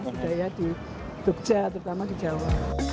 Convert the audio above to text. budaya di jogja terutama di jawa